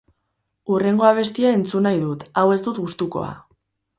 Hurrengo abestia entzun nahi dut, hau ez dut gustukoa.